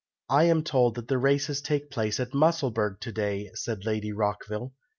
"I am told that the races take place at Musselburgh to day," said Lady Rockville.